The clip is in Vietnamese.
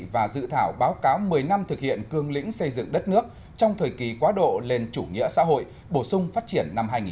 và dự thảo báo cáo một mươi năm thực hiện cương lĩnh xây dựng đất nước trong thời kỳ quá độ lên chủ nghĩa xã hội bổ sung phát triển năm hai nghìn một mươi một